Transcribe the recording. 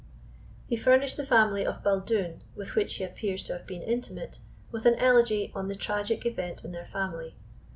He furnished the family of Baldoon, with which he appears to have been intimate, with an elegy on the tragic event in their family.